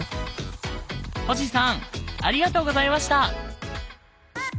星さんありがとうございました！